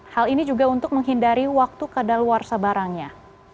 hal ini juga untuk menghindari waktu keadaan luar sabarangnya